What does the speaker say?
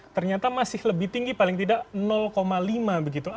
ternyata masih lebih tinggi paling tidak lima begitu